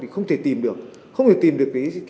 không thể tìm được